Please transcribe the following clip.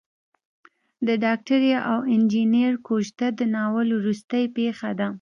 د ډاکټرې او انجنیر کوژده د ناول وروستۍ پېښه ده.